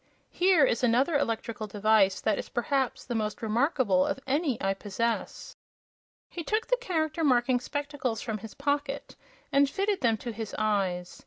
Here is another electrical device that is, perhaps, the most remarkable of any I possess." He took the Character Marking spectacles from his pocket and fitted them to his eyes.